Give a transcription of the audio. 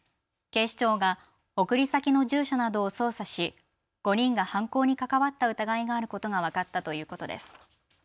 警視庁が送り先の住所などを捜査し５人が犯行に関わった疑いがあることが分かったということです。